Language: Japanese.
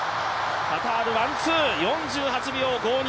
カタール、ワン、ツー４８秒５２。